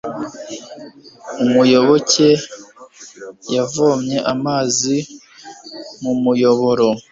Umuyoboke yavomye amazi mu muyoboro.